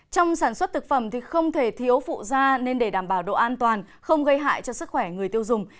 trong sản xuất thực phẩm thì không thể thiếu phụ da nên để đảm bảo độ an toàn không gây hại cho sức khỏe người tiêu dùng